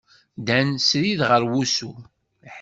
Ddan srid ɣer wusu.